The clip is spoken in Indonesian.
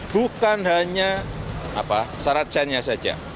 bukan hanya saracen nya saja